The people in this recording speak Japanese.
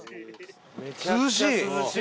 涼しい！